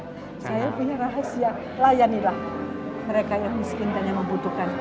saya punya rahasia layanilah mereka yang miskin dan yang membutuhkan